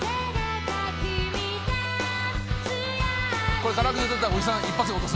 「これカラオケで歌ったらおじさん一発で落とせるから」